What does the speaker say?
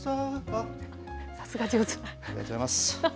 ありがとうございます。